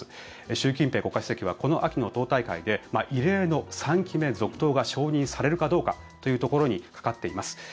習近平国家主席はこの秋の党大会で異例の３期目続投が承認されるかどうかというところにかかっています。